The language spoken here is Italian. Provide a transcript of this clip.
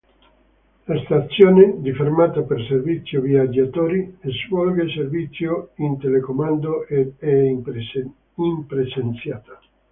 La stazione, di fermata per servizio viaggiatori, svolge servizio in telecomando ed è impresenziata.